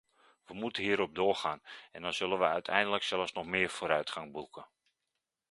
We moeten hierop doorgaan en dan zullen we uiteindelijk zelfs nog meer vooruitgang boeken.